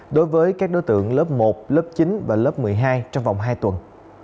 đối với các đối tượng lớp một lớp chín và lớp một mươi hai trong vòng hai tuần